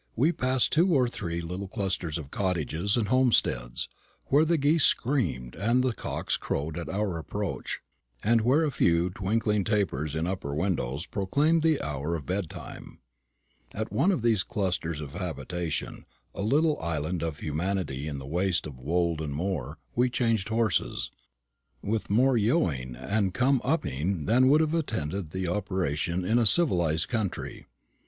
We passed two or three little clusters of cottages and homesteads, where the geese screamed and the cocks crowed at our approach, and where a few twinkling tapers in upper windows proclaimed the hour of bed time. At one of these clusters of habitation, a little island of humanity in the waste of wold and moor, we changed horses, with more yo oh ing and come up ing than would have attended the operation in a civilised country.